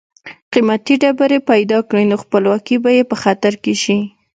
قیمتي ډبرې پیدا کړي نو خپلواکي به یې په خطر کې شي.